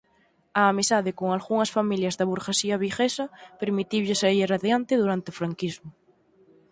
A amizade con algunhas familias da burguesía viguesa permitiulle saír adiante durante o franquismo.